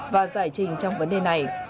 và giải trình trong vấn đề này